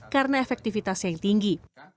karena efektivitas yang tinggi